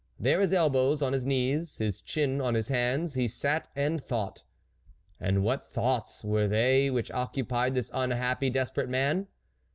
There, his elbows on his knees, his chin on his hands, he sat and thought. And what thoughts were they which occupied this unhappy, desperate man